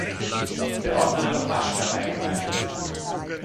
Der Ort wurde nach Aschheim eingemeindet.